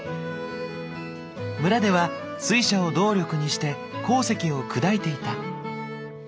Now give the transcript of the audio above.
村では水車を動力にして鉱石を砕いていた。